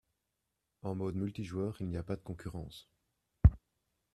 En mode multijoueur, il n'y a pas de concurrence.